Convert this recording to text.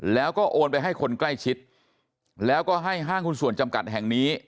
แล้วก็โอนไปให้คนใกล้ชิดแล้วก็ให้ห้างหุ้นส่วนจำกัดแห่งนี้